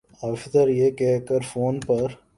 افسر یہ کہہ کر فون پر